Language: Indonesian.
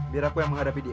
biar aku yang menghadapi dia